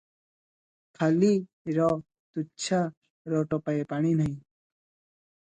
ଖାଲି – ର – ତୁଚ୍ଛା – ର ଟୋପାଏ ପାଣି ନାହିଁ।